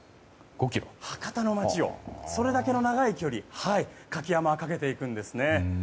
博多の街をそれだけの長い距離舁き山笠は駆けていくんです。